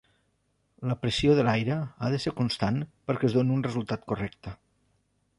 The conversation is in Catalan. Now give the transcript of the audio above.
La pressió de l'aire ha de ser constant perquè es doni un resultat correcte.